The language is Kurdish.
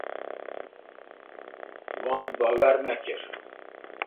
Wan bawer nekir.